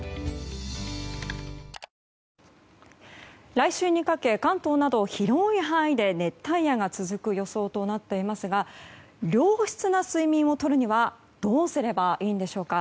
来週にかけ関東など広い範囲で熱帯夜が続く予想となっていますが良質な睡眠をとるにはどうすればいいんでしょうか。